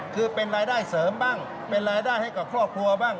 คือเป็นรายได้เสริมบ้างเป็นรายได้ให้กับครอบครัวบ้าง